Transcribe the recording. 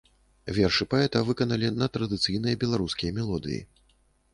Вершы паэта выканалі на традыцыйныя беларускія мелодыі.